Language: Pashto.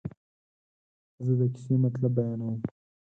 زه د کیسې مطلب بیانوم.